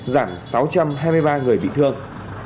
giảm sáu trăm hai mươi ba người bị thương